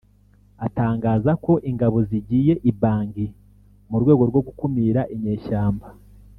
atangaza ko ingabo zigiye i Bangui mu rwego rwo gukumira inyeshyamba